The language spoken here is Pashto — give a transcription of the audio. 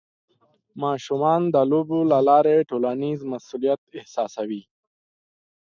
ماشومان د لوبو له لارې ټولنیز مسؤلیت احساسوي.